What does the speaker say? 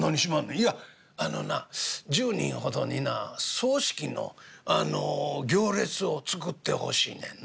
「いやあのな１０人ほどにな葬式の行列を作ってほしいねんな。